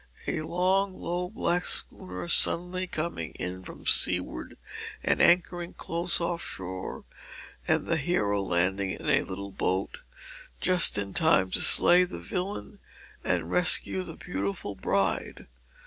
"A long, low, black schooner suddenly coming in from the seaward and anchoring close off shore, and the hero landing in a little boat just in time to slay the villain and rescue the beautiful bride.